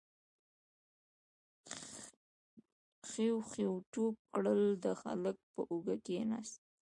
جُوجُو ټوپ کړل، د هلک پر اوږه کېناست: